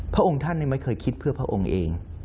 พระองค์ท่านไม่เคยคิดเพื่อพระองค์เอง